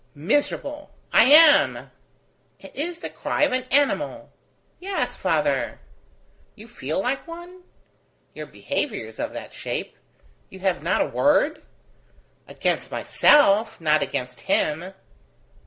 "Miserable! I am." "It is the cry of an animal!" "Yes, father." "You feel like one? Your behaviour is of that shape. You have not a word?" "Against myself, not against him."